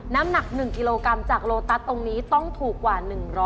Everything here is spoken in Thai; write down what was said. น้ำหนัก๑กิโลกรัมจากโลตัสตรงนี้ต้องถูกกว่า๑๐๐